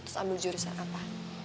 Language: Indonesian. terus ambil jurusan apa